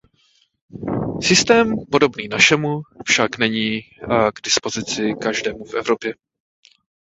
Systém podobný našemu však není k dispozici každému v Evropě.